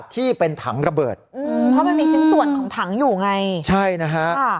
ที่เป็นถังระเบิดอืมเพราะมันมีชิ้นส่วนของถังอยู่ไงใช่นะฮะ